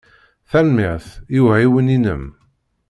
Tanemmirt i uɛiwen-inem.